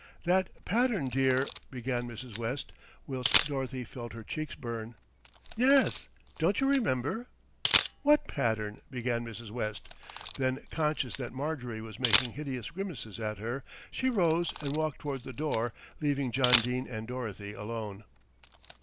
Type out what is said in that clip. "That pattern, dear," began Mrs. West, whilst Dorothy felt her cheeks burn. "Yes, don't you remember?" "What pattern?" began Mrs. West, then conscious that Marjorie was making hideous grimaces at her, she rose and walked towards the door, leaving John Dene and Dorothy alone.